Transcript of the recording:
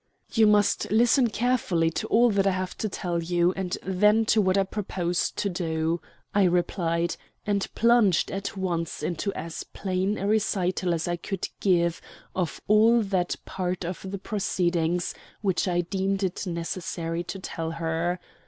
"You must listen carefully to all I have to tell you, and then to what I propose to do," I replied, and plunged at once into as plain a recital as I could give of all that part of the proceedings which I deemed it necessary to tell her.